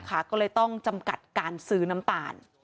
ก็เลยต้องจำกัดการซื้อน้ำตาล